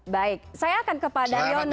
baik saya akan kepada daryono